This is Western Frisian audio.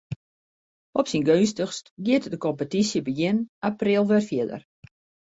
Op syn geunstichst giet de kompetysje begjin april wer fierder.